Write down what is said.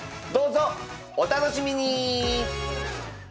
どうぞお楽しみに！